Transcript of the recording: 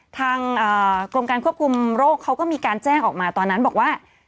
ทางกรมการควบคุมโรคเขาก็มีการแจ้งออกมาตอนนั้นบอกว่า